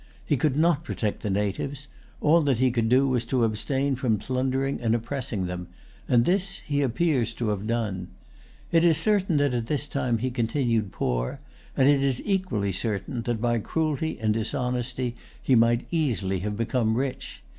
He could not protect the natives: all that he could do was to abstain from plundering and oppressing them; and this he appears to have done. It is certain that at this time he continued poor; and it is equally certain, that by cruelty and dishonesty he might easily have become rich.